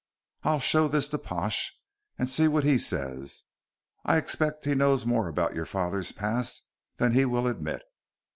I'll show this to Pash and see what he says. I expect he knows more about your father's past than he will admit."